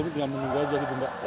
ini tinggal menunggu aja gitu mbak